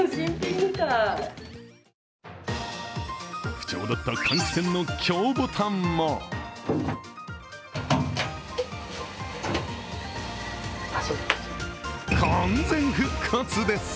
不調だった換気扇の強ボタンも完全復活です！